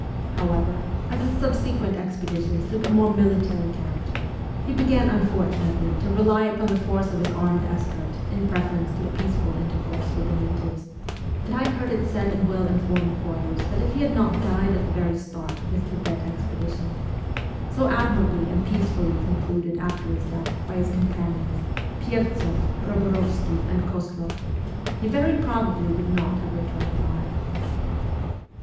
However, as his subsequent expeditions took a more military character, he began unfortunately to rely upon the force of his armed escort in preference to a peaceful intercourse with the natives, and I heard it said in well informed quarters that if he had not died at the very start of his Tibet expedition so admirably and peacefully conducted after his death by his com panions, Pyevts6ff, Eoborovsky, and Kozloff he very probably would not have returned alive.